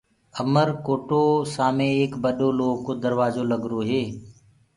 اُمرو ڪوٽو سآمي ايڪ ٻڏو لوه ڪو دروآجو لگروئي